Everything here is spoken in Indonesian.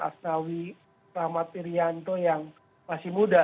asnawi rahmat irianto yang masih muda